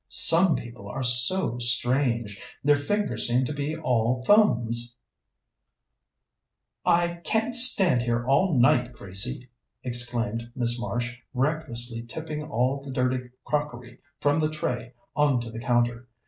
Some people are so strange; their fingers seem to be all thumbs." "I can't stand here all night, Gracie!" exclaimed Miss Marsh, recklessly tipping all the dirty crockery from the tray on to the counter.